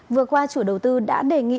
vừa qua chủ đầu tư đã đề nghị